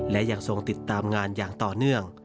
และยังทรงติดตามงานอย่างต่อเนื่อง